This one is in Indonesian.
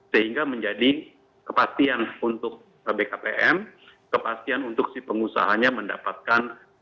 sehingga menjadi kepastian untuk bkpm kepastian untuk si pengusahanya mendapatkan